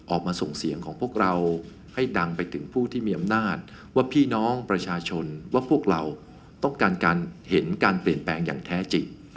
ออกมาส่งเสียงของพวกเราให้ดังไปถึงผู้ที่มีอำนาจว่าพี่น้องประชาชนว่าพวกเราต้องการการเห็นการเปลี่ยนแปลงอย่างแท้จริง